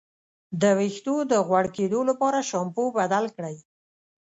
د ویښتو د غوړ کیدو لپاره شیمپو بدل کړئ